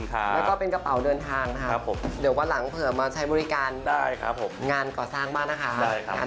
กะเป็นกระเป๋าเดินทางค่ะเดี๋ยววันหลังเผื่อมาใช้บริการงานก่อสร้างบ้านนะคะ